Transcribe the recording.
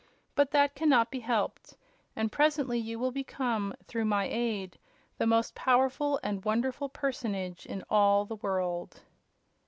But that can not be helped, and presently you will become, through my aid, the most powerful and wonderful personage in all the world."